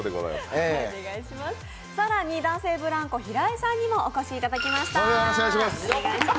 更に男性ブランコ・平井さんにもお越しいただきました。